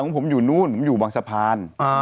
ผมอยู่นู้นผมอยู่บางสะพาน